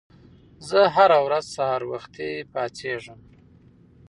زه هره ورځ سهار وختي پاڅېږم.